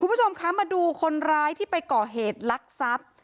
คุณผู้ชมคะมาดูคนร้ายที่ไปก่อเหตุลักษัพ